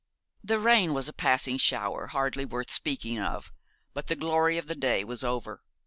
The rain was a passing shower, hardly worth speaking of, but the glory of the day was over.